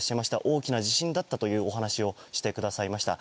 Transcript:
大きな地震だったというお話をしてくださいました。